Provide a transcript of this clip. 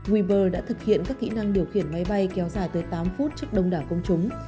wiber đã thực hiện các kỹ năng điều khiển máy bay kéo dài tới tám phút trước đông đảo công chúng